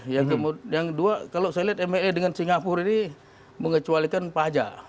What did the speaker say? yang kedua kalau saya lihat ma dengan singapura ini mengecualikan pajak